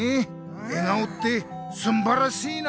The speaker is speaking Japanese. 笑顔ってすんばらしいな！